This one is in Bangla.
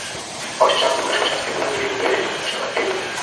অবশেষে আত্মপ্রকাশ করে শাস্তিদানকারী রূপে এবং কশাঘাতকারী রূপে।